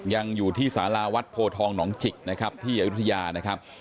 ยังอยู่ที่สาราวัดโพทองหนองจิกนะครับที่อายุทยานะครับ